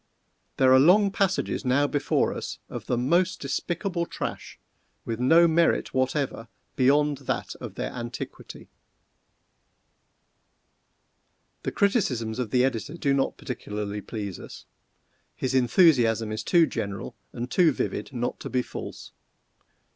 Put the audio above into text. There are long passages now before us of the most despicable trash, with no merit whatever beyond that of their antiquity. The criticisms of the editor do not particularly please us. His enthusiasm is too general and too vivid not to be false.